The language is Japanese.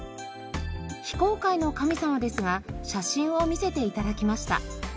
非公開の神様ですが写真を見せて頂きました。